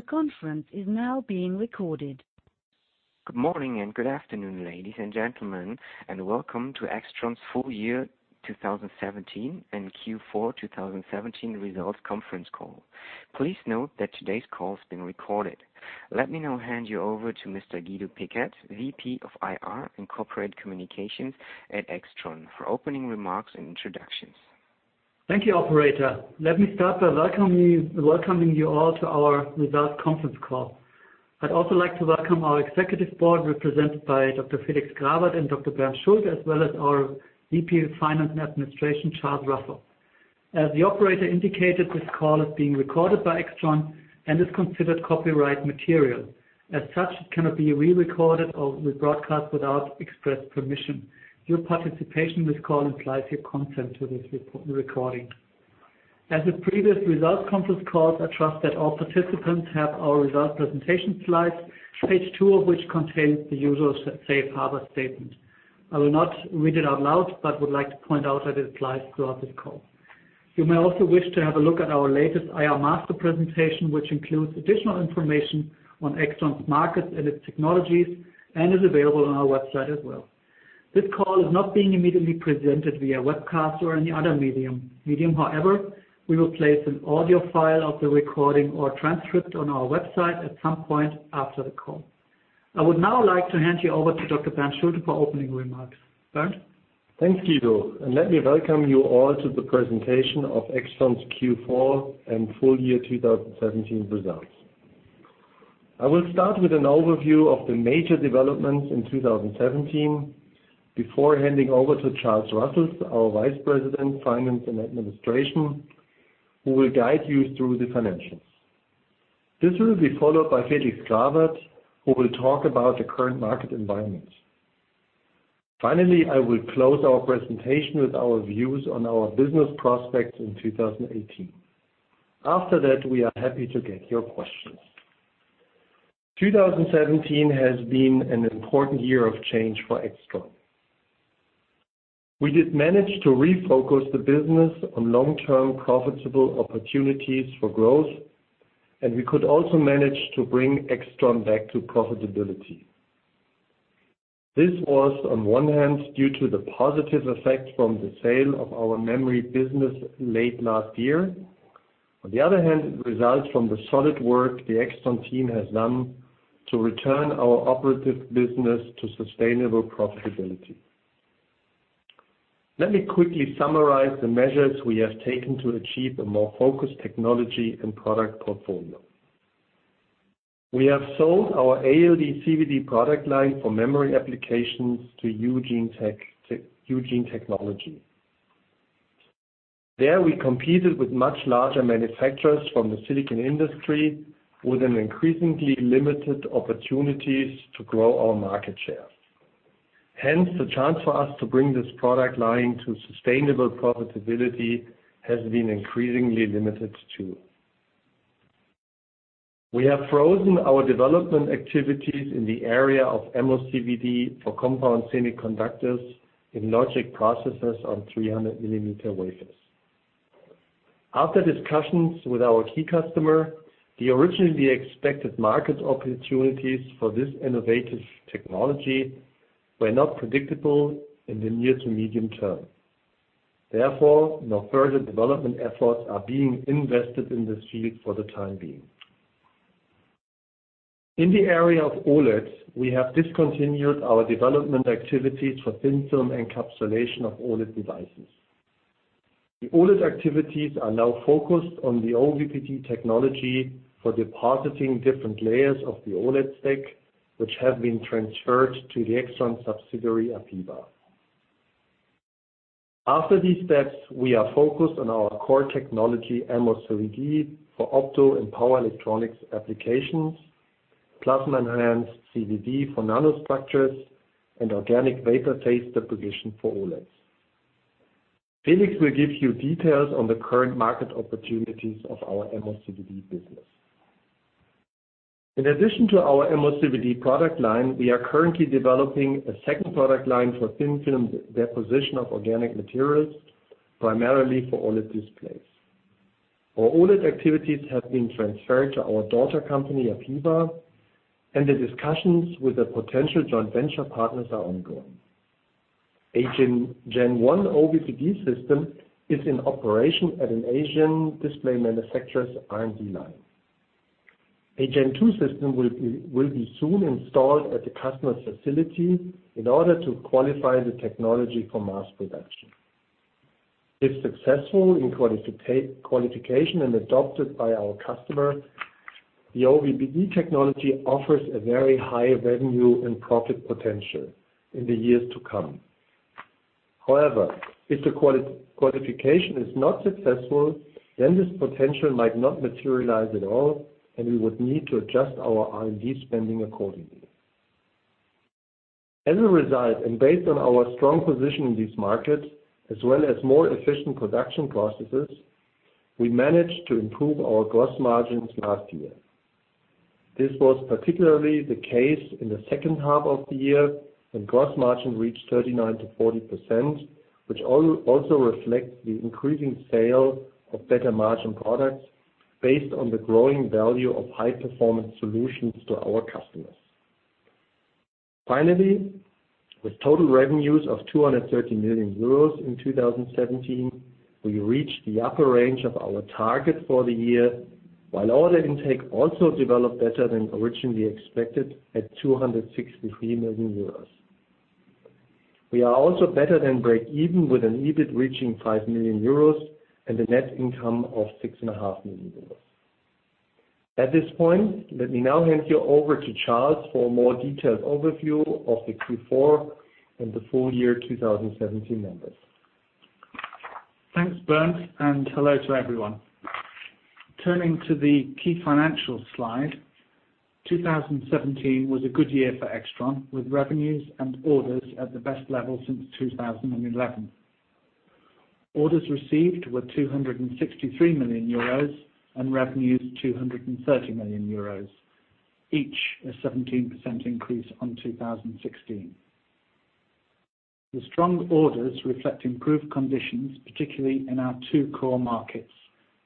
The conference is now being recorded. Good morning, and good afternoon, ladies and gentlemen, and welcome to AIXTRON's full year 2017 and Q4 2017 results conference call. Please note that today's call is being recorded. Let me now hand you over to Mr. Guido Pickert, VP of IR and Corporate Communications at AIXTRON, for opening remarks and introductions. Thank you, operator. Let me start by welcoming you all to our results conference call. I'd also like to welcome our Executive Board, represented by Dr. Felix Grawert and Dr. Bernd Schulte, as well as our VP of Finance and Administration, Charles Russell. As the operator indicated, this call is being recorded by AIXTRON and is considered copyright material. As such, it cannot be re-recorded or rebroadcast without express permission. Your participation in this call implies your consent to this recording. As with previous results conference calls, I trust that all participants have our results presentation slides, page two of which contains the usual safe harbor statement. I will not read it out loud, but would like to point out that it applies throughout this call. You may also wish to have a look at our latest IR Master presentation, which includes additional information on AIXTRON's markets and its technologies, and is available on our website as well. This call is not being immediately presented via webcast or any other medium. We will place an audio file of the recording or transcript on our website at some point after the call. I would now like to hand you over to Dr. Bernd Schulte for opening remarks. Bernd? Thanks, Guido. Let me welcome you all to the presentation of AIXTRON's Q4 and full year 2017 results. I will start with an overview of the major developments in 2017 before handing over to Charles Russell, our Vice President Finance & Administration, who will guide you through the financials. This will be followed by Felix Grawert, who will talk about the current market environment. Finally, I will close our presentation with our views on our business prospects in 2018. After that, we are happy to get your questions. 2017 has been an important year of change for AIXTRON. We did manage to refocus the business on long-term profitable opportunities for growth. We could also manage to bring AIXTRON back to profitability. This was, on one hand, due to the positive effect from the sale of our memory business late last year. On the other hand, it results from the solid work the AIXTRON team has done to return our operative business to sustainable profitability. Let me quickly summarize the measures we have taken to achieve a more focused technology and product portfolio. We have sold our ALD/CVD product line for memory applications to Eugene Technology. There, we competed with much larger manufacturers from the silicon industry with increasingly limited opportunities to grow our market share. Hence, the chance for us to bring this product line to sustainable profitability has been increasingly limited, too. We have frozen our development activities in the area of MOCVD for compound semiconductors in logic processes on 300 millimeter wafers. After discussions with our key customer, the originally expected market opportunities for this innovative technology were not predictable in the near to medium term. Therefore, no further development efforts are being invested in this field for the time being. In the area of OLEDs, we have discontinued our development activities for thin film encapsulation of OLED devices. The OLED activities are now focused on the OVPD technology for depositing different layers of the OLED stack, which have been transferred to the AIXTRON subsidiary, APEVA. After these steps, we are focused on our core technology, MOCVD, for opto and power electronics applications, plasma enhanced CVD for nanostructures, and organic vapor phase deposition for OLEDs. Felix will give you details on the current market opportunities of our MOCVD business. In addition to our MOCVD product line, we are currently developing a second product line for thin film deposition of organic materials, primarily for OLED displays. Our OLED activities have been transferred to our daughter company, APEVA. The discussions with the potential joint venture partners are ongoing. A Gen 1 OVPD system is in operation at an Asian display manufacturer's R&D line. A Gen 2 system will be soon installed at the customer's facility in order to qualify the technology for mass production. If successful in qualification and adopted by our customer, the OVPD technology offers a very high revenue and profit potential in the years to come. However, if the qualification is not successful, then this potential might not materialize at all, and we would need to adjust our R&D spending accordingly. As a result, based on our strong position in these markets, as well as more efficient production processes, we managed to improve our gross margins last year. This was particularly the case in the second half of the year, when gross margin reached 39%-40%, which also reflects the increasing sale of better margin products based on the growing value of high-performance solutions to our customers. Finally, with total revenues of 230 million euros in 2017, we reached the upper range of our target for the year, while order intake also developed better than originally expected at 263 million euros. We are also better than break even, with an EBIT reaching 5 million euros and a net income of 6.5 million euros. At this point, let me now hand you over to Charles for a more detailed overview of the Q4 and the full year 2017 numbers. Thanks, Bernd, and hello to everyone. Turning to the key financial slide, 2017 was a good year for AIXTRON, with revenues and orders at the best level since 2011. Orders received were 263 million euros and revenues, 230 million euros, each a 17% increase on 2016. The strong orders reflect improved conditions, particularly in our two core markets,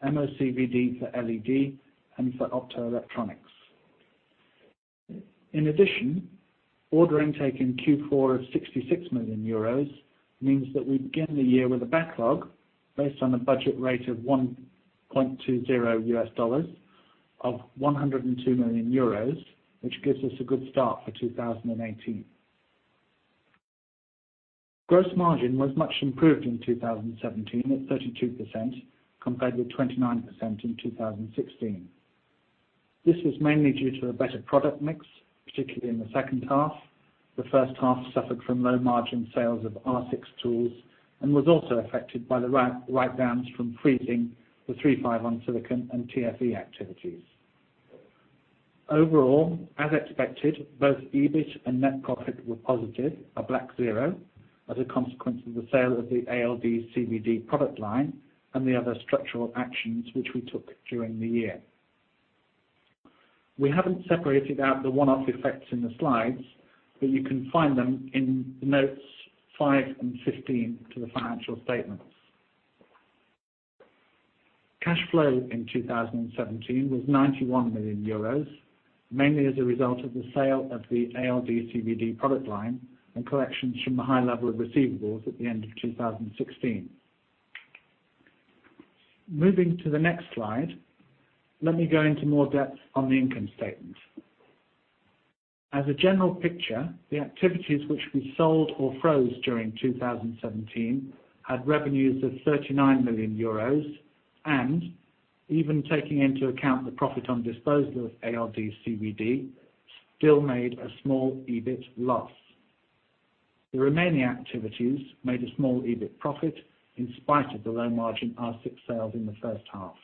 MOCVD for LED and for optoelectronics. In addition, order intake in Q4 of 66 million euros means that we begin the year with a backlog based on a budget rate of $1.20 of 102 million euros, which gives us a good start for 2018. Gross margin was much improved in 2017 at 32%, compared with 29% in 2016. This was mainly due to a better product mix, particularly in the second half. The first half suffered from low margin sales of AIX R6 tools and was also affected by the writedowns from freezing the III-V silicon and TFE activities. Overall, as expected, both EBIT and net profit were positive, a black zero, as a consequence of the sale of the ALD/CVD product line and the other structural actions which we took during the year. We haven't separated out the one-off effects in the slides, but you can find them in the notes five and 15 to the financial statements. Cash flow in 2017 was 91 million euros, mainly as a result of the sale of the ALD/CVD product line and collections from the high level of receivables at the end of 2016. Moving to the next slide, let me go into more depth on the income statement. As a general picture, the activities which we sold or froze during 2017 had revenues of 39 million euros and, even taking into account the profit on disposal of ALD/CVD, still made a small EBIT loss. The remaining activities made a small EBIT profit in spite of the low margin AIX R6 sales in the first half.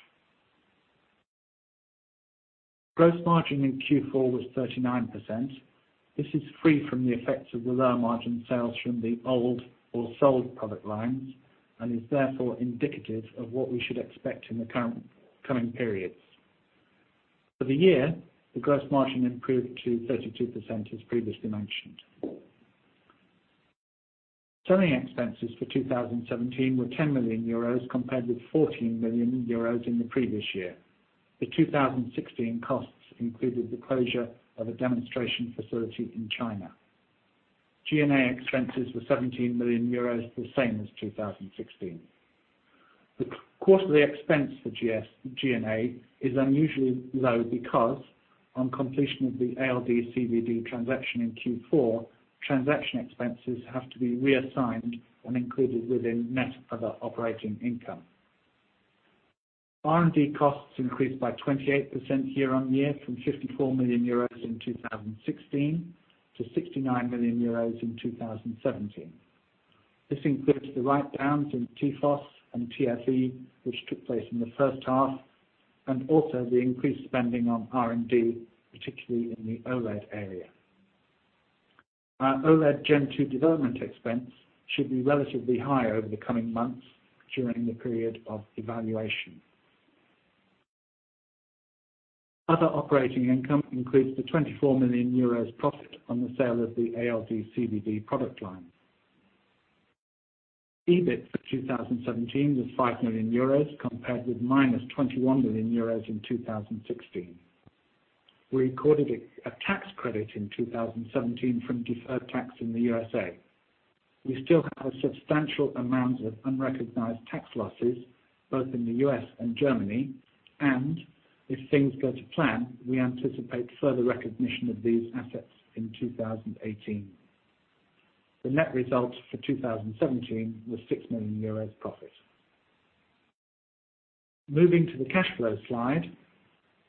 Gross margin in Q4 was 39%. This is free from the effects of the low margin sales from the old or sold product lines and is therefore indicative of what we should expect in the coming periods. For the year, the gross margin improved to 32%, as previously mentioned. Selling expenses for 2017 were 10 million euros, compared with 14 million euros in the previous year. The 2016 costs included the closure of a demonstration facility in China. G&A expenses were 17 million euros, the same as 2016. The quarterly expense for G&A is unusually low because on completion of the ALD/CVD transaction in Q4, transaction expenses have to be reassigned and included within net other operating income. R&D costs increased by 28% year-on-year from 54 million euros in 2016 to 69 million euros in 2017. This includes the writedowns in [TFOS] and TFE which took place in the first half, and also the increased spending on R&D, particularly in the OLED area. Our OLED Gen 2 development expense should be relatively high over the coming months during the period of evaluation. Other operating income includes the 24 million euros profit on the sale of the ALD/CVD product line. EBIT for 2017 was 5 million euros compared with minus 21 million euros in 2016. We recorded a tax credit in 2017 from deferred tax in the U.S.A. We still have substantial amounts of unrecognized tax losses both in the U.S. and Germany, and if things go to plan, we anticipate further recognition of these assets in 2018. The net results for 2017 were EUR 6 million profit. Moving to the cash flow slide,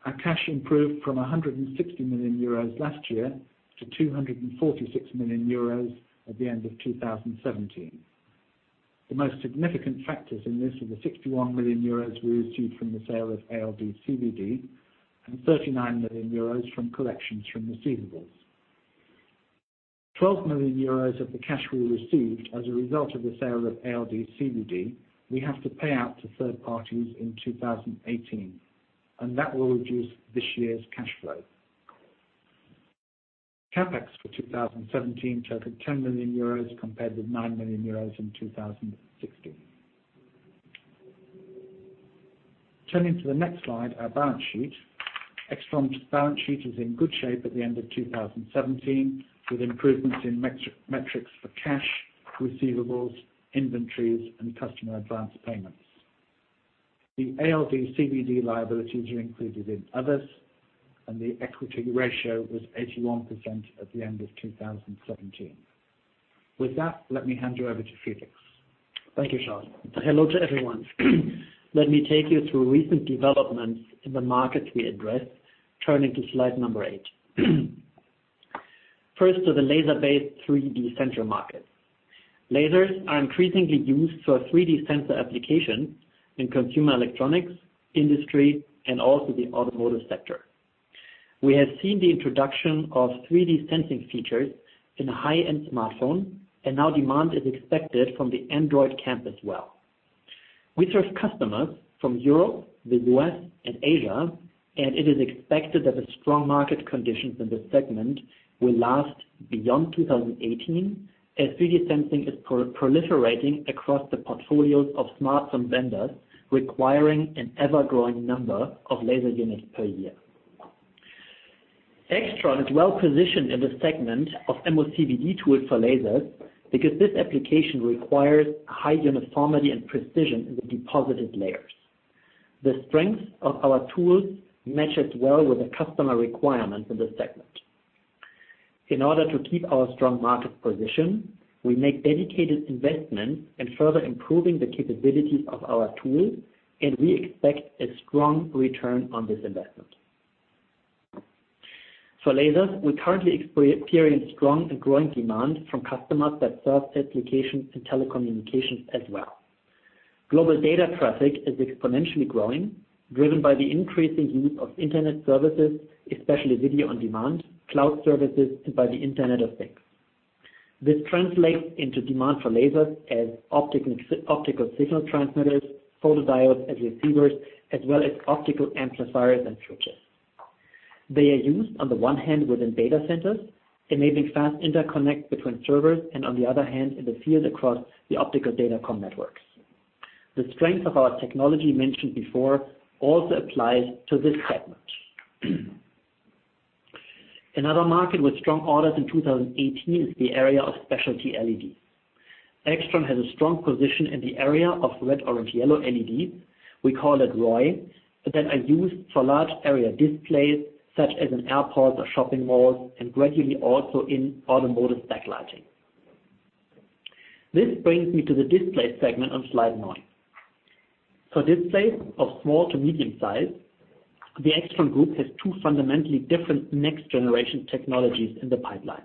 our cash improved from 160 million euros last year to 246 million euros at the end of 2017. The most significant factors in this were the 61 million euros we received from the sale of ALD/CVD and 39 million euros from collections from receivables. 12 million euros of the cash flow received as a result of the sale of ALD/CVD, we have to pay out to third parties in 2018, and that will reduce this year's cash flow. CapEx for 2017 totaled 10 million euros compared with 9 million euros in 2016. Turning to the next slide, our balance sheet. AIXTRON's balance sheet is in good shape at the end of 2017, with improvements in metrics for cash, receivables, inventories, and customer advance payments. The ALD/CVD liabilities are included in others, and the equity ratio was 81% at the end of 2017. With that, let me hand you over to Felix. Thank you, Charles. Hello to everyone. Let me take you through recent developments in the markets we address, turning to slide number eight. First, to the laser-based 3D sensing market. Lasers are increasingly used for 3D sensor application in consumer electronics, industry, and also the automotive sector. We have seen the introduction of 3D sensing features in high-end smartphone, and now demand is expected from the Android camp as well. We serve customers from Europe, the U.S., and Asia, and it is expected that the strong market conditions in this segment will last beyond 2018, as 3D sensing is proliferating across the portfolios of smartphone vendors, requiring an ever-growing number of laser units per year. AIXTRON is well-positioned in the segment of MOCVD tools for lasers because this application requires high uniformity and precision in the deposited layers. The strength of our tools matches well with the customer requirements in this segment. In order to keep our strong market position, we make dedicated investments in further improving the capabilities of our tools, and we expect a strong return on this investment. For lasers, we currently experience strong and growing demand from customers that serve applications in telecommunications as well. Global data traffic is exponentially growing, driven by the increasing use of internet services, especially video on demand, cloud services, and by the Internet of Things. This translates into demand for lasers as optical signal transmitters, photodiodes as receivers, as well as optical amplifiers and switches. They are used on the one hand within data centers, enabling fast interconnect between servers, and on the other hand, in the field across the optical datacom networks. The strength of our technology mentioned before also applies to this segment. Another market with strong orders in 2018 is the area of specialty LEDs. AIXTRON has a strong position in the area of red, orange, yellow LEDs, we call it ROY, that are used for large area displays, such as in airports or shopping malls, and gradually also in automotive backlighting. This brings me to the display segment on slide nine. For displays of small to medium size, the AIXTRON group has two fundamentally different next-generation technologies in the pipeline.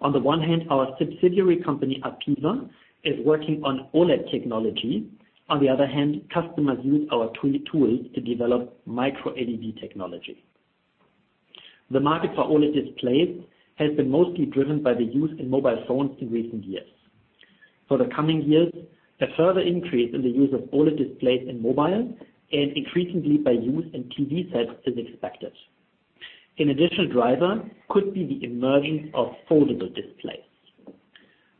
On the one hand, our subsidiary company, APEVA, is working on OLED technology. On the other hand, customers use our tools to develop Micro LED technology. The market for OLED displays has been mostly driven by the use in mobile phones in recent years. For the coming years, a further increase in the use of OLED displays in mobile and increasingly by use in TV sets is expected. An additional driver could be the emergence of foldable displays.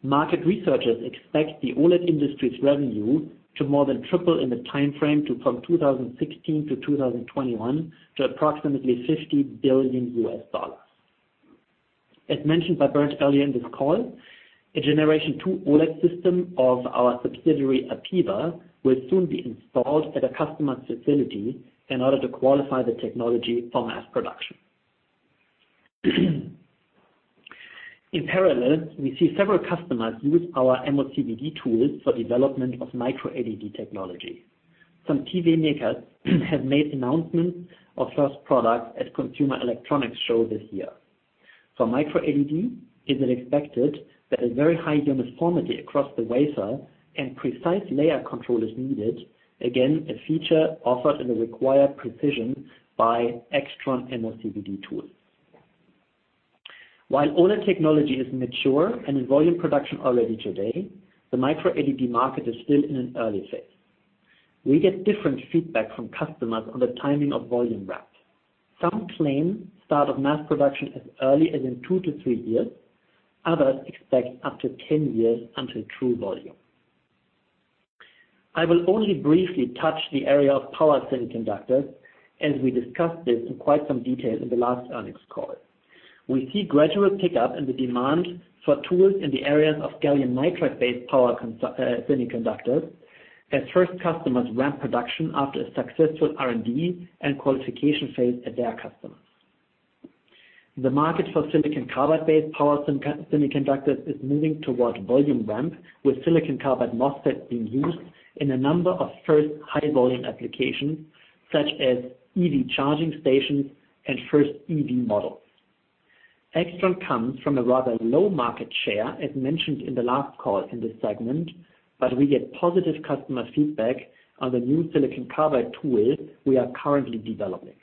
Market researchers expect the OLED industry's revenue to more than triple in the timeframe from 2016 to 2021 to approximately $50 billion. As mentioned by Bernd earlier in this call, a generation 2 OLED system of our subsidiary, APEVA, will soon be installed at a customer's facility in order to qualify the technology for mass production. In parallel, we see several customers use our MOCVD tools for development of Micro LED technology. Some TV makers have made announcements of first products at consumer electronics shows this year. For Micro LED, it is expected that a very high uniformity across the wafer and precise layer control is needed. Again, a feature offered in the required precision by AIXTRON MOCVD tools. While older technology is mature and in volume production already today, the Micro LED market is still in an early phase. We get different feedback from customers on the timing of volume ramp. Some claim start of mass production as early as in two to three years. Others expect up to 10 years until true volume. I will only briefly touch the area of power semiconductors, as we discussed this in quite some detail in the last earnings call. We see gradual pickup in the demand for tools in the areas of gallium nitride-based power semiconductors as first customers ramp production after a successful R&D and qualification phase at their customers. The market for silicon carbide-based power semiconductors is moving towards volume ramp, with silicon carbide MOSFETs being used in a number of first high-volume applications, such as EV charging stations and first EV models. AIXTRON comes from a rather low market share, as mentioned in the last call in this segment, we get positive customer feedback on the new silicon carbide tools we are currently developing.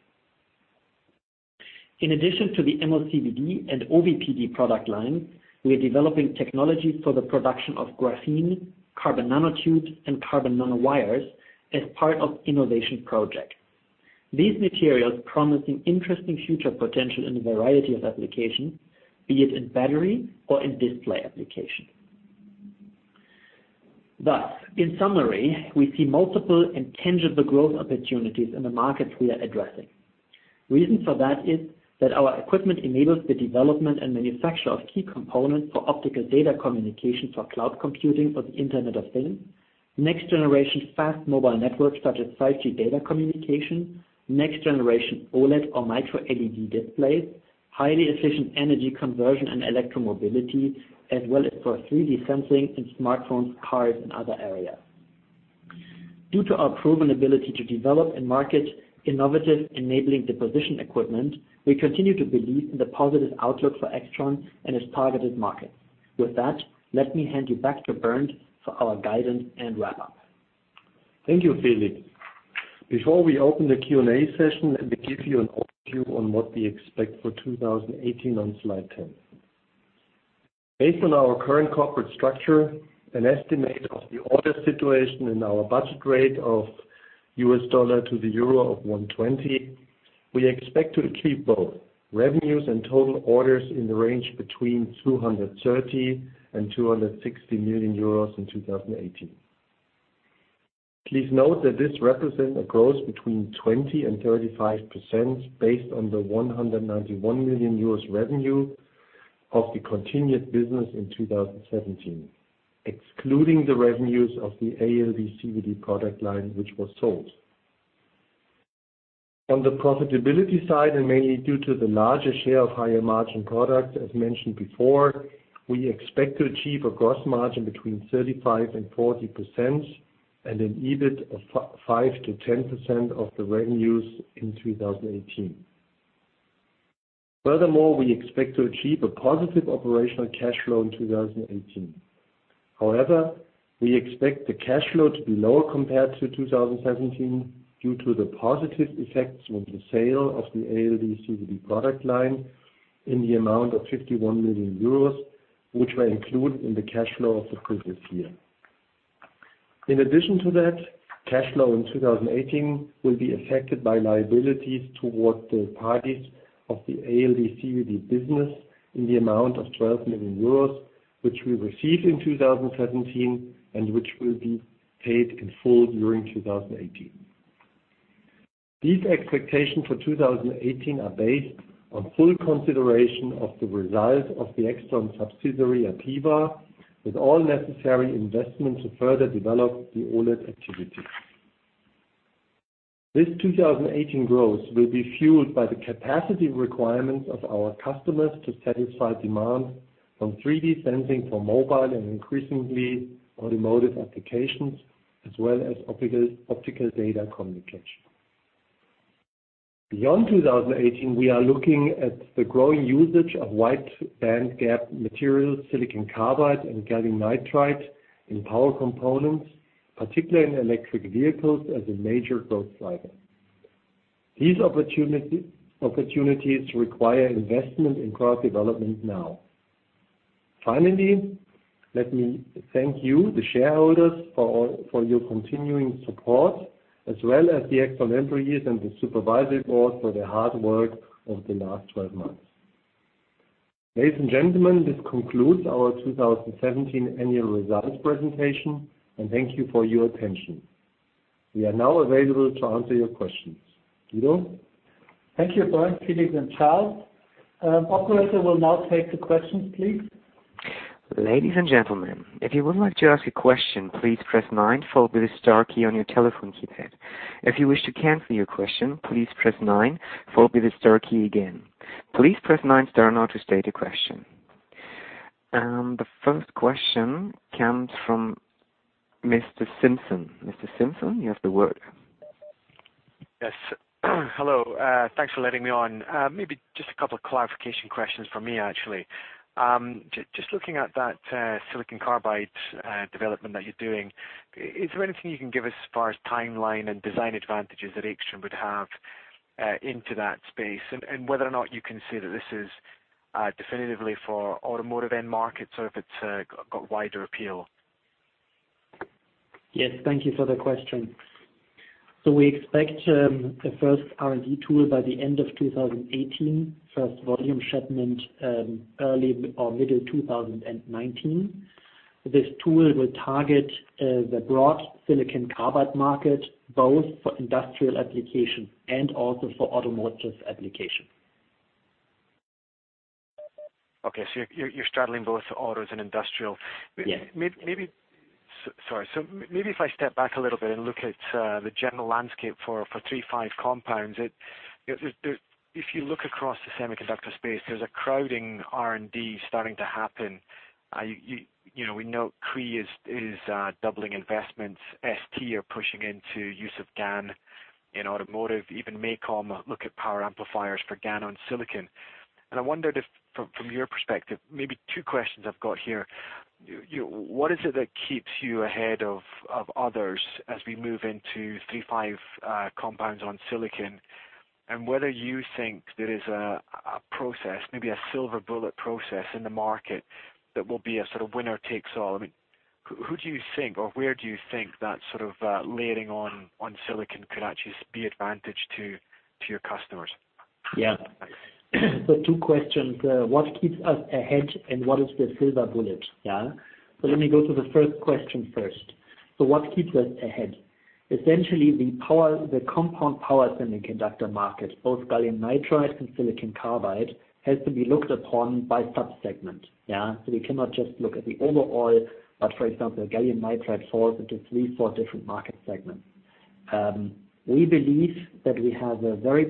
In addition to the MOCVD and OVPD product line, we are developing technologies for the production of graphene, carbon nanotubes, and carbon nanowires as part of innovation project. These materials promising interesting future potential in a variety of applications, be it in battery or in display application. In summary, we see multiple and tangible growth opportunities in the markets we are addressing. Reason for that is that our equipment enables the development and manufacture of key components for optical data communication for cloud computing or the Internet of Things, next generation fast mobile networks such as 5G data communication, next generation OLED or Micro LED displays, highly efficient energy conversion and electromobility, as well as for 3D sensing in smartphones, cars, and other areas. Due to our proven ability to develop and market innovative enabling deposition equipment, we continue to believe in the positive outlook for AIXTRON and its targeted market. With that, let me hand you back to Bernd for our guidance and wrap up. Thank you, Felix. Before we open the Q&A session, let me give you an overview on what we expect for 2018 on slide 10. Based on our current corporate structure, an estimate of the order situation and our budget rate of $1.20 to the EUR, we expect to achieve both revenues and total orders in the range between 230 million and 260 million euros in 2018. Please note that this represents a growth between 20% and 35% based on the 191 million euros revenue of the continued business in 2017, excluding the revenues of the ALD/CVD product line, which was sold. On the profitability side, mainly due to the larger share of higher margin products, as mentioned before, we expect to achieve a gross margin between 35% and 40% and an EBIT of 5% to 10% of the revenues in 2018. We expect to achieve a positive operational cash flow in 2018. We expect the cash flow to be lower compared to 2017 due to the positive effects from the sale of the ALD/CVD product line in the amount of 61 million euros, which were included in the cash flow of the previous year. Cash flow in 2018 will be affected by liabilities towards the parties of the ALD/CVD business in the amount of 12 million euros, which we received in 2017 and which will be paid in full during 2018. These expectations for 2018 are based on full consideration of the results of the AIXTRON subsidiary, APEVA, with all necessary investments to further develop the OLED activity. This 2018 growth will be fueled by the capacity requirements of our customers to satisfy demand from 3D sensing for mobile and increasingly automotive applications, as well as optical data communication. Beyond 2018, we are looking at the growing usage of wide bandgap materials, silicon carbide, and gallium nitride in power components, particularly in electric vehicles, as a major growth driver. These opportunities require investment in product development now. Finally, let me thank you, the shareholders, for your continuing support, as well as the AIXTRON employees and the supervisory board for their hard work over the last 12 months. Ladies and gentlemen, this concludes our 2017 annual results presentation, and thank you for your attention. We are now available to answer your questions. Guido? Thank you, Bernd, Felix, and Charles. Operator will now take the questions, please. Ladies and gentlemen, if you would like to ask a question, please press nine, followed by the star key on your telephone keypad. If you wish to cancel your question, please press nine, followed by the star key again. Please press nine, star now to state your question. The first question comes from Mr. Simpson. Mr. Simpson, you have the word. Yes. Hello. Thanks for letting me on. Maybe just a couple of clarification questions from me, actually. Just looking at that silicon carbide development that you're doing, is there anything you can give us as far as timeline and design advantages that AIXTRON would have into that space? Whether or not you can say that this is definitively for automotive end markets or if it's got wider appeal? Yes. Thank you for the question. We expect the first R&D tool by the end of 2018. First volume shipment early or middle 2019. This tool will target the broad silicon carbide market, both for industrial application and also for automotive application. Okay, you're straddling both autos and industrial. Yes. Sorry. Maybe if I step back a little bit and look at the general landscape for III-V compounds. If you look across the semiconductor space, there's a crowding R&D starting to happen. We know Cree is doubling investments. ST are pushing into use of GaN in automotive. Even MACOM look at power amplifiers for GaN on silicon. I wonder if from your perspective, maybe two questions I've got here, what is it that keeps you ahead of others as we move into III-V compounds on silicon? Whether you think there is a process, maybe a silver bullet process in the market that will be a sort of winner takes all? Who do you think, or where do you think that sort of layering on silicon could actually be advantage to your customers? Yeah. Two questions. What keeps us ahead and what is the silver bullet? Yeah. Let me go to the first question first. What keeps us ahead? Essentially the compound power semiconductor market, both gallium nitride and silicon carbide, has to be looked upon by sub-segment. Yeah. We cannot just look at the overall, but for example, gallium nitride falls into three, four different market segments. We believe that we have very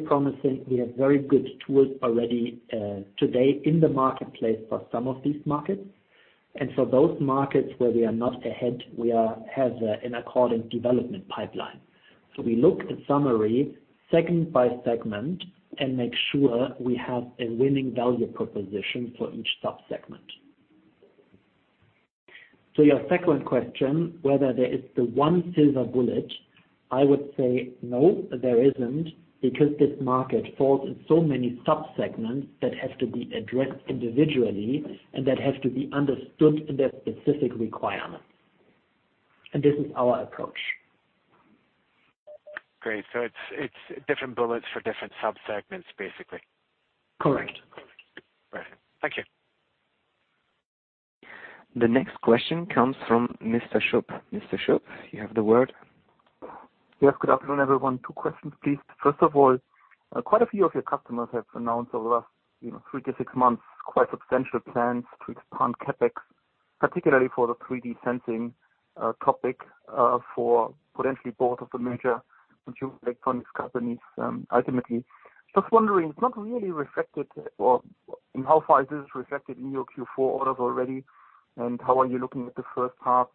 good tools already today in the marketplace for some of these markets. For those markets where we are not ahead, we have an accordance development pipeline. We look at summary segment by segment and make sure we have a winning value proposition for each sub-segment. Your second question, whether there is the one silver bullet, I would say no, there isn't, because this market falls in so many subsegments that have to be addressed individually and that have to be understood in their specific requirement. This is our approach. Great. It's different bullets for different subsegments basically. Correct. Right. Thank you. The next question comes from Mr. Schupp. Mr. Schupp, you have the word. Yes, good afternoon, everyone. Two questions, please. First of all, quite a few of your customers have announced over the last three to six months, quite substantial plans to expand CapEx, particularly for the 3D sensing topic, for potentially both of the major consumer electronics companies, ultimately. Just wondering, it's not really reflected, or in how far is this reflected in your Q4 orders already, and how are you looking at the first half?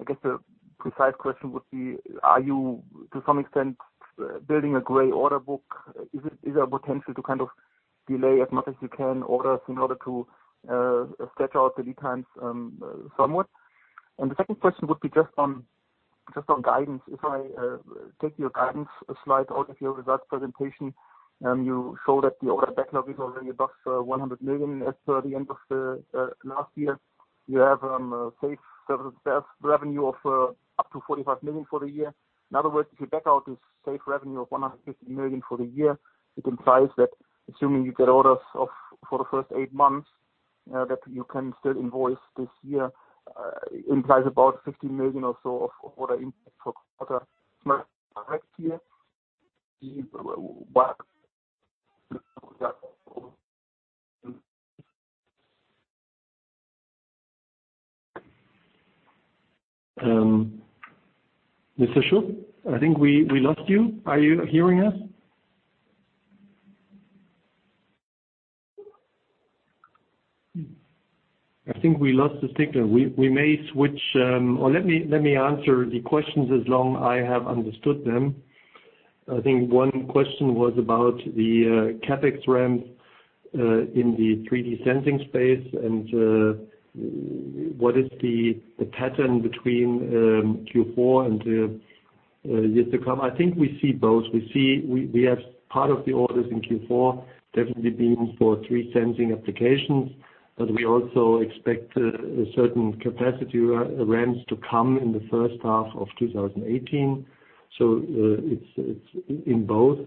I guess the precise question would be, are you to some extent building a gray order book? Is there a potential to kind of delay as much as you can orders in order to stretch out the lead times, somewhat? The second question would be just on guidance. If I take your guidance slide out of your results presentation, you show that the order backlog is already above 100 million as per the end of last year. You have safe service revenue of up to 45 million for the year. In other words, if you back out this safe revenue of 150 million for the year, it implies that assuming you get orders for the first eight months, that you can still invoice this year, implies about 15 million or so of order input for quarter next year. Mr. Schupp, I think we lost you. Are you hearing us? I think we lost the signal. We may switch, or let me answer the questions as long I have understood them. I think one question was about the CapEx ramp in the 3D sensing space, and what is the pattern between Q4 and the years to come? I think we see both. We have part of the orders in Q4 definitely being for 3D sensing applications, but we also expect a certain capacity ramps to come in the first half of 2018. It's in both.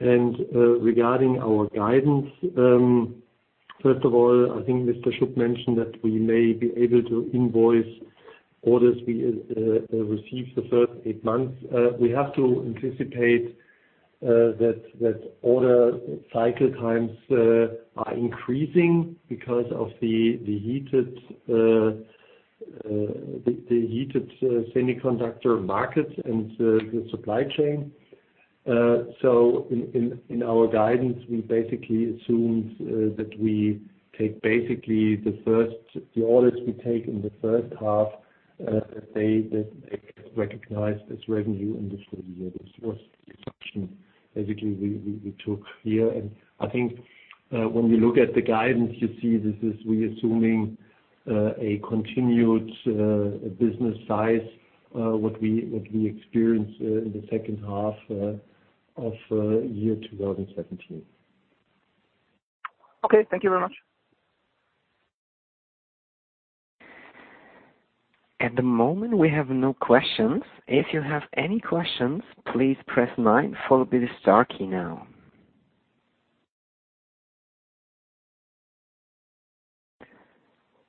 Regarding our guidance, first of all, I think Mr. Schupp mentioned that we may be able to invoice orders we received the first eight months. We have to anticipate that order cycle times are increasing because of the heated semiconductor markets and the supply chain. In our guidance, we basically assumed that we take basically the orders we take in the first half, they get recognized as revenue in this full year. This was the assumption basically we took here. I think when we look at the guidance, you see this is we assuming a continued business size, what we experienced in the second half of year 2017. Okay. Thank you very much. At the moment, we have no questions. If you have any questions, please press nine, followed by the star key now.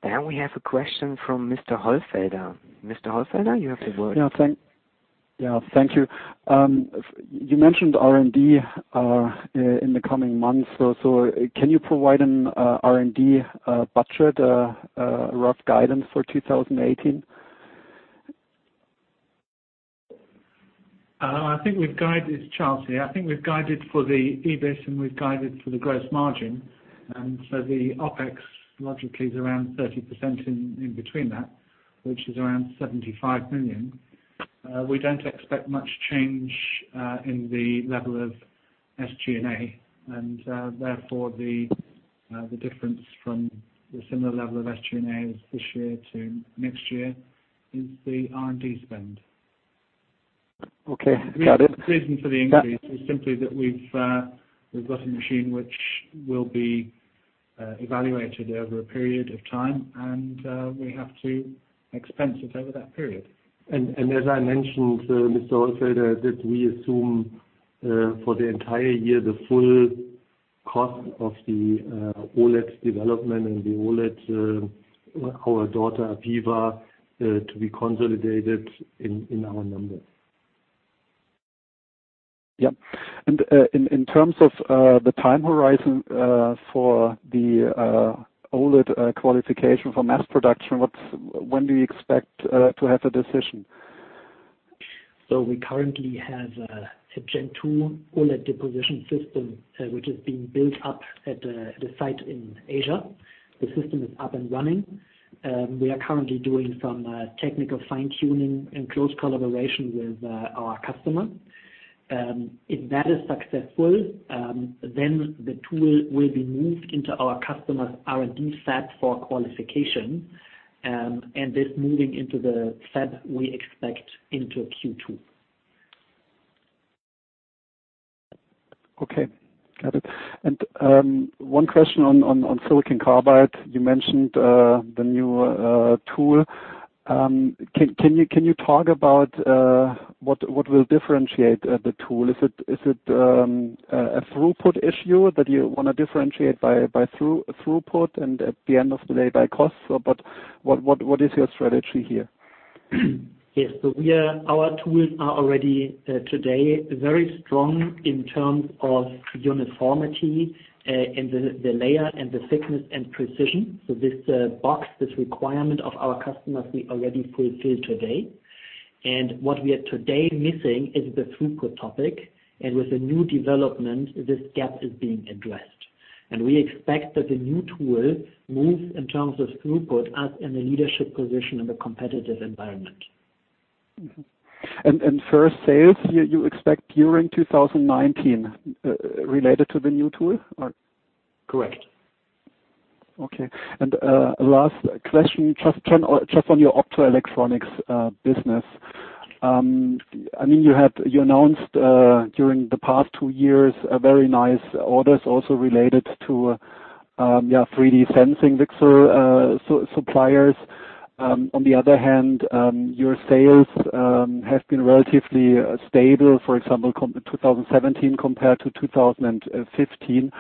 Now we have a question from Mr. Holfelder. Mr. Holfelder, you have the word. Thank you. You mentioned R&D in the coming months. Can you provide an R&D budget, a rough guidance for 2018? I think we've guided, it's Charles here. I think we've guided for the EBIT and we've guided for the gross margin. The OpEx logically is around 30% in between that, which is around $75 million. We don't expect much change in the level of SG&A, and therefore, the difference from the similar level of SG&A this year to next year is the R&D spend. Okay, got it. The reason for the increase is simply that we've got a machine which will be evaluated over a period of time, and we have to expense it over that period. As I mentioned, Mr. Holfelder, that we assume for the entire year, the full cost of the OLED development and our daughter, APEVA, to be consolidated in our numbers. Yep. In terms of the time horizon for the OLED qualification for mass production, when do you expect to have a decision? We currently have a Gen 2 OLED deposition system, which is being built up at the site in Asia. The system is up and running. We are currently doing some technical fine-tuning in close collaboration with our customer. If that is successful, the tool will be moved into our customer's R&D fab for qualification. This moving into the fab, we expect into Q2. Okay, got it. One question on silicon carbide. You mentioned the new tool. Can you talk about what will differentiate the tool? Is it a throughput issue that you want to differentiate by throughput and at the end of the day, by cost? What is your strategy here? Yes. Our tools are already today very strong in terms of uniformity and the layer and the thickness and precision. This box, this requirement of our customers, we already fulfill today. What we are today missing is the throughput topic. With the new development, this gap is being addressed. We expect that the new tool moves in terms of throughput, us in the leadership position in the competitive environment. Mm-hmm. First sales you expect during 2019, related to the new tool? Correct. Okay. Last question, just on your optoelectronics business. You announced during the past two years a very nice orders also related to 3D sensing VCSEL suppliers. On the other hand, your sales have been relatively stable, for example, 2017 compared to 2015.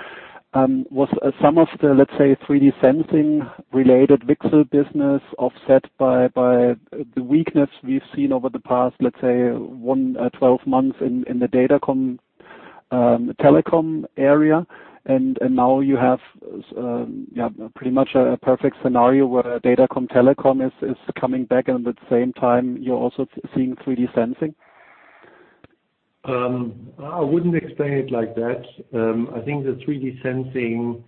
Was some of the, let's say, 3D sensing related VCSEL business offset by the weakness we've seen over the past, let's say, 12 months in the datacom-telecom area? Now you have pretty much a perfect scenario where datacom-telecom is coming back, and at the same time, you're also seeing 3D sensing. I wouldn't explain it like that. I think the 3D sensing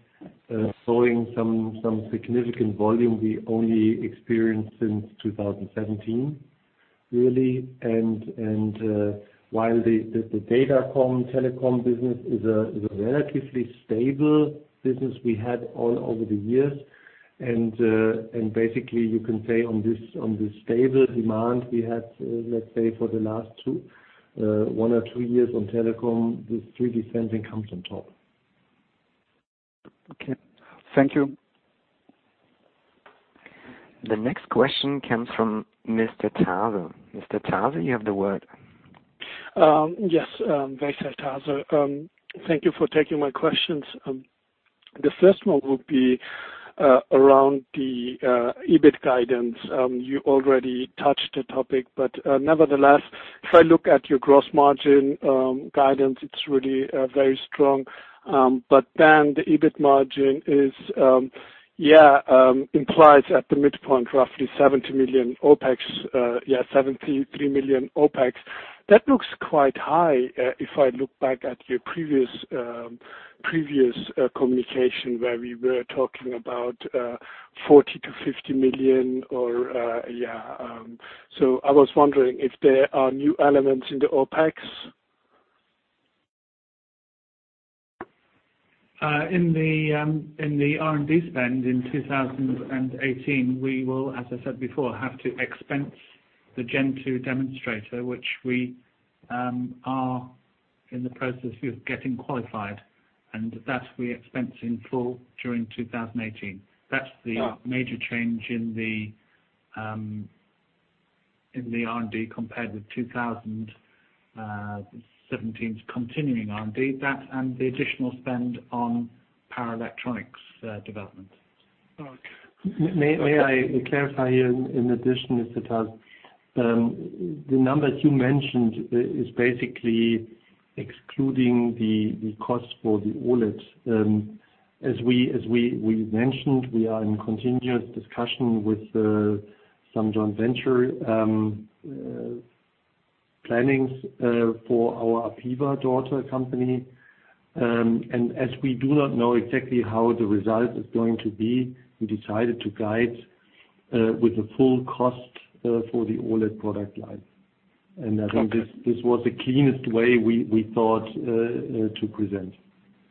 showing some significant volume we only experienced since 2017, really. While the datacom-telecom business is a relatively stable business we had all over the years, and basically you can say on this stable demand we had, let's say for the last one or two years on telecom, this 3D sensing comes on top. Okay. Thank you. The next question comes from Mr. Taze. Mr. Taze, you have the word. Yes. Veysel Taze. Thank you for taking my questions. The first one will be around the EBIT guidance. Nevertheless, if I look at your gross margin guidance, it's really very strong. Then the EBIT margin implies at the midpoint, roughly 70 million OpEx, 73 million OpEx. That looks quite high, if I look back at your previous communication where we were talking about 40 million to 50 million. I was wondering if there are new elements in the OpEx. In the R&D spend in 2018, we will, as I said before, have to expense the Gen 2 demonstrator, which we are in the process of getting qualified, and that we expense in full during 2018. That's the major change in the R&D compared with 2017's continuing R&D. That and the additional spend on power electronics development. Okay. May I clarify here in addition, Mr. Taze? The numbers you mentioned is basically excluding the cost for the OLED. As we mentioned, we are in continuous discussion with Samsung Venture. plannings for our APEVA daughter company. As we do not know exactly how the result is going to be, we decided to guide with the full cost for the OLED product line. Okay. I think this was the cleanest way we thought to present.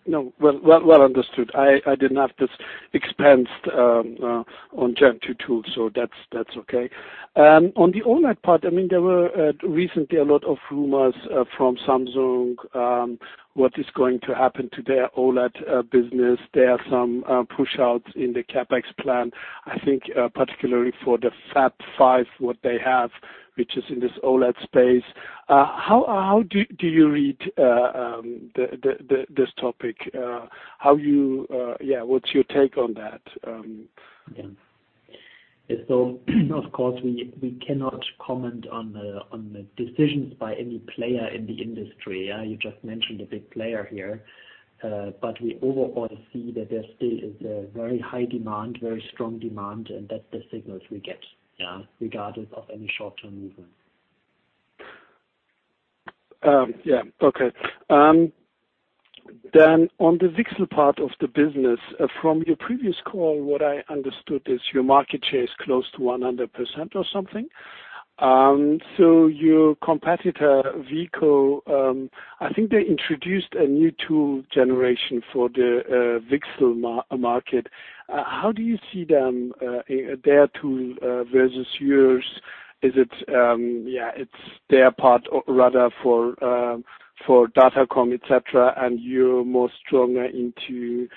No, well understood. I did not have this expensed on Gen 2 tools, so that's okay. On the OLED part, there were recently a lot of rumors from Samsung, what is going to happen to their OLED business. There are some push-outs in the CapEx plan, I think, particularly for the Fab Five, what they have, which is in this OLED space. How do you read this topic? What's your take on that? Yeah. Of course, we cannot comment on the decisions by any player in the industry. You just mentioned a big player here. We overall see that there still is a very high demand, very strong demand, and that's the signals we get, regardless of any short-term movement. Yeah. Okay. On the VCSEL part of the business, from your previous call, what I understood is your market share is close to 100% or something. Your competitor, Veeco, I think they introduced a new tool generation for the VCSEL market. How do you see their tool versus yours? It's their part rather for datacom, et cetera, and you're more stronger in the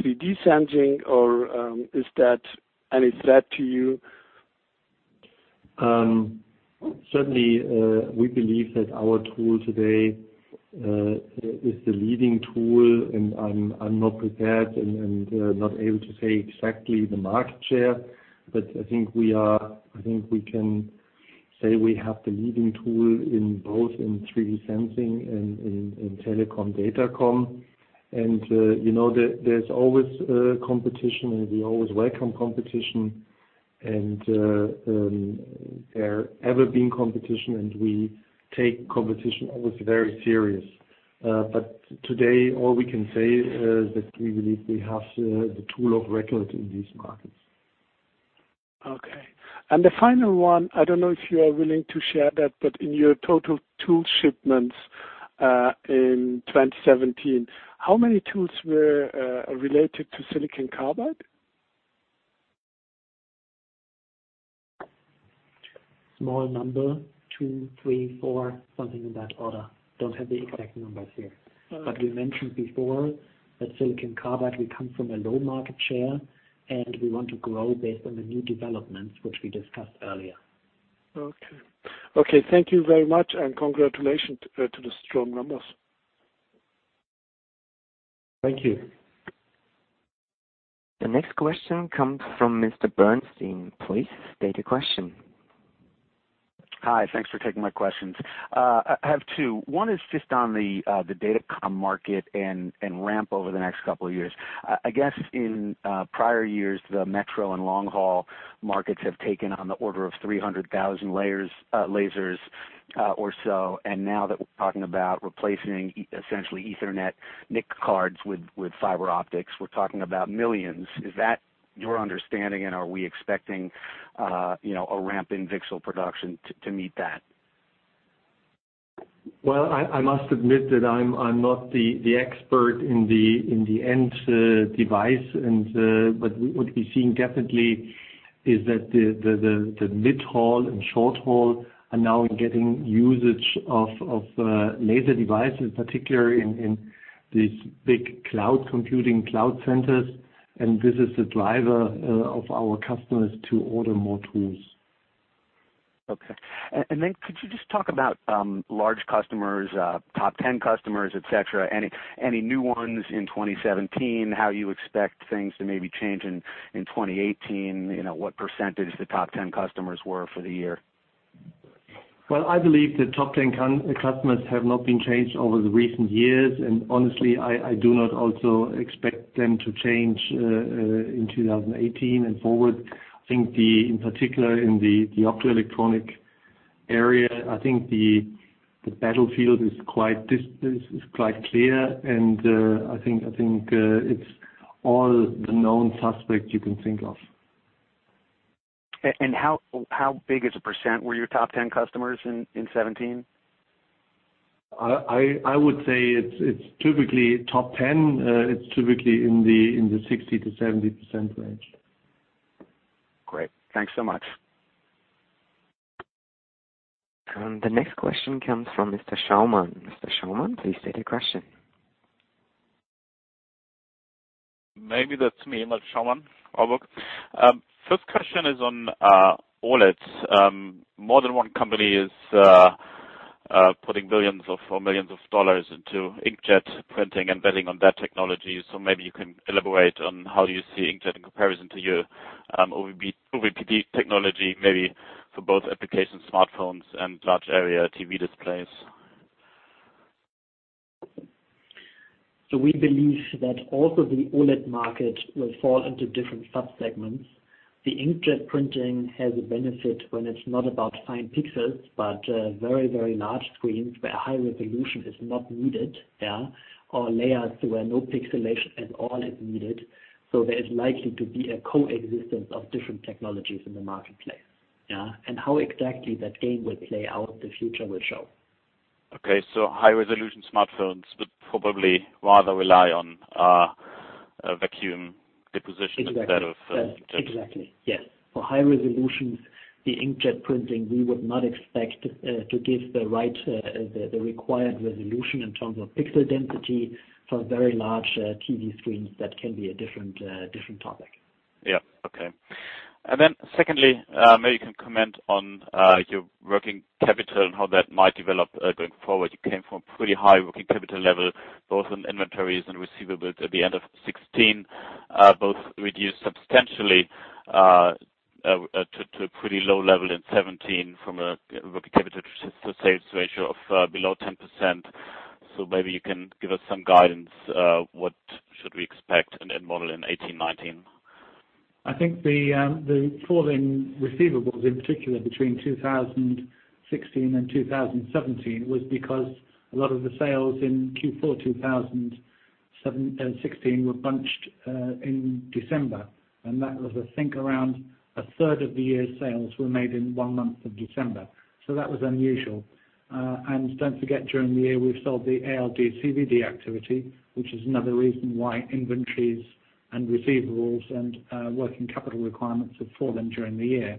3D sensing, or any threat to you? Certainly, we believe that our tool today is the leading tool, and I'm not prepared and not able to say exactly the market share. I think we can say we have the leading tool in both in 3D sensing and in telecom/datacom. There's always competition, and we always welcome competition and there ever been competition, and we take competition always very serious. Today, all we can say is that we believe we have the tool of record in these markets. Okay. The final one, I don't know if you are willing to share that, but in your total tool shipments, in 2017, how many tools were related to silicon carbide? Small number, two, three, four, something in that order. Don't have the exact numbers here. All right. We mentioned before that silicon carbide, we come from a low market share, and we want to grow based on the new developments, which we discussed earlier. Okay. Thank you very much. Congratulations to the strong numbers. Thank you. The next question comes from Mr. Bernstein. Please state your question. Hi. Thanks for taking my questions. I have two. One is just on the datacom market and ramp over the next couple of years. I guess in prior years, the metro and long-haul markets have taken on the order of 300,000 lasers or so, and now that we're talking about replacing essentially Ethernet NIC cards with fiber optics, we're talking about millions. Is that your understanding, and are we expecting a ramp in VCSEL production to meet that? Well, I must admit that I'm not the expert in the end device. What we've seen definitely is that the mid-haul and short-haul are now getting usage of laser devices, particularly in these big cloud computing cloud centers, and this is the driver of our customers to order more tools. Okay. Could you just talk about large customers, top 10 customers, et cetera? Any new ones in 2017, how you expect things to maybe change in 2018, what percentage the top 10 customers were for the year? Well, I believe the top 10 customers have not been changed over the recent years, and honestly, I do not also expect them to change in 2018 and forward. I think in particular in the optoelectronic area, I think the battlefield is quite clear, and I think it's all the known suspects you can think of. How big as a % were your top 10 customers in 2017? I would say top 10, it's typically in the 60%-70% range. Great. Thanks so much. The next question comes from Mr. Schaumann. Mr. Schauman, please state your question. Maybe that's me, Malte Schaumann, RBC. First question is on OLEDs. More than one company is putting billions of millions of dollars into inkjet printing and betting on that technology. Maybe you can elaborate on how you see inkjet in comparison to your OVPD technology, maybe for both applications, smartphones and large area TV displays. We believe that also the OLED market will fall into different sub-segments. The inkjet printing has a benefit when it's not about fine pixels, but very large screens where high resolution is not needed. Yeah. Layers where no pixelation at all is needed. There is likely to be a coexistence of different technologies in the marketplace. Yeah. How exactly that game will play out, the future will show. Okay, high resolution smartphones would probably rather rely on a vacuum deposition instead of. Exactly, yes. For high resolutions, the inkjet printing, we would not expect to give the required resolution in terms of pixel density. For very large TV screens, that can be a different topic. Yeah. Okay. Secondly, maybe you can comment on your working capital and how that might develop going forward. You came from pretty high working capital level, both on inventories and receivables at the end of 2016. Both reduced substantially to a pretty low level in 2017 from a working capital to sales ratio of below 10%. Maybe you can give us some guidance, what should we expect in end model in 2018, 2019? I think the falling receivables, in particular between 2016 and 2017, was because a lot of the sales in Q4 2016 were bunched in December. That was, I think, around a third of the year's sales were made in one month of December. Don't forget, during the year, we've sold the ALD/CVD activity, which is another reason why inventories and receivables and working capital requirements have fallen during the year.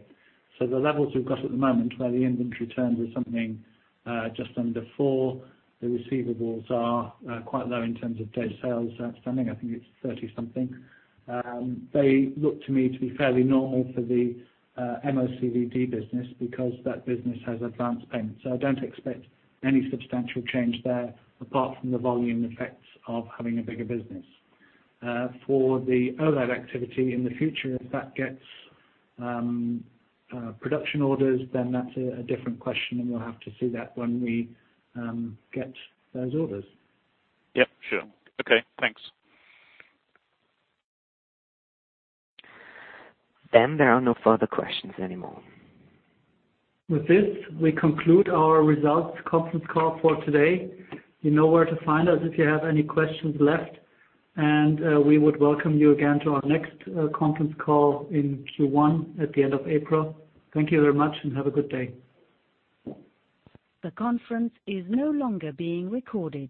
The levels we've got at the moment, where the inventory turns are something just under four, the receivables are quite low in terms of day sales outstanding, I think it's 30-something. They look to me to be fairly normal for the MOCVD business because that business has advanced payments. I don't expect any substantial change there, apart from the volume effects of having a bigger business. For the OLED activity in the future, if that gets production orders, that's a different question, and we'll have to see that when we get those orders. Yeah, sure. Okay, thanks. There are no further questions anymore. With this, we conclude our results conference call for today. You know where to find us if you have any questions left, and we would welcome you again to our next conference call in Q1 at the end of April. Thank you very much and have a good day. The conference is no longer being recorded.